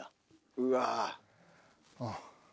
うわ。